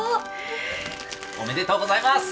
ええおめでとうございます！